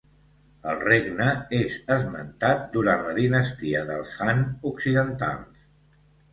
El regne és esmentat durant la dinastia dels Han occidentals.